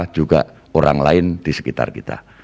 juga orang lain di sekitar kita